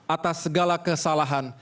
atas segala kesalahan